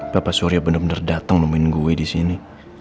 bapak surya bener bener datang nemuin gue di sini